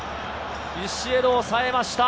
ビシエドおさえました。